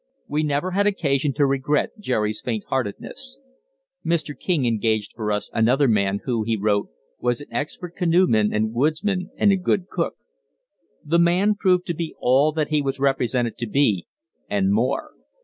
We never had occasion to regret Jerry's faint heartedness. Mr. King engaged for us another man who, he wrote, was an expert canoeman and woodsman and a good cook. The man proved to be all that he was represented to be and more.